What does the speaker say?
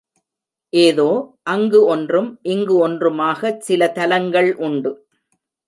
ஏதோ அங்கு ஒன்றும் இங்கு ஒன்றுமாகச் சில தலங்கள் உண்டு.